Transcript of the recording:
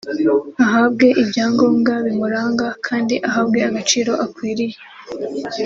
ahabwe ibyangombwa bimuranga kandi ahabwe agaciro akwiriye